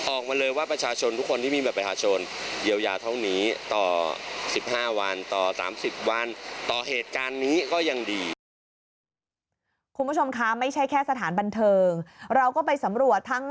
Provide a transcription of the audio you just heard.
ออกมาเลยว่าประชาชนทุกคนที่มีแบบประชาชน